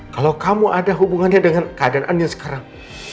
kalau kamu ada hubungannya dengan keadaan anda sekarang